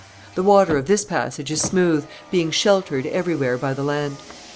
The water of this passage is smooth, being sheltered every where by the land.